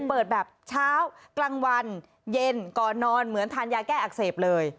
เปิดแบบเช้ากลางวันเย็นก่อนนอนเหมือนทานยาแก้อักเสบเลย